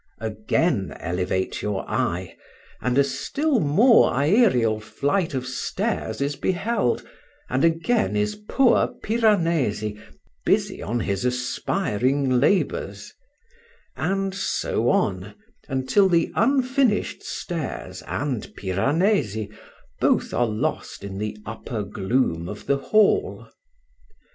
Again elevate your eye, and a still more aërial flight of stairs is beheld, and again is poor Piranesi busy on his aspiring labours; and so on, until the unfinished stairs and Piranesi both are lost in the upper gloom of the hall.